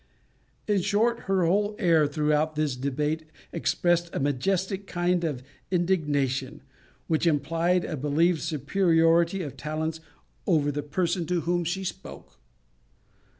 In short, her whole air throughout this debate expressed a majestic kind of indignation, which implied a believed superiority of talents over the person to whom she spoke.